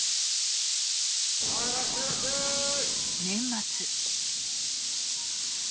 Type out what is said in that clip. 年末。